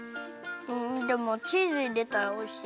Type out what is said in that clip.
うんでもチーズいれたらおいしい。